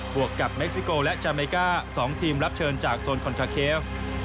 วกกับเม็กซิโกและจาเมก้า๒ทีมรับเชิญจากโซนคอนทาเคฟ